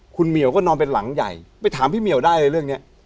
คุณเหมียวก็นอนเป็นหลังใหญ่ไปถามพี่เหมียวได้เลยเรื่องนี้